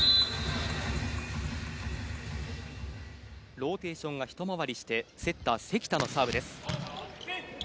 ローテーションがひと回りしてセッター、関田のサーブです。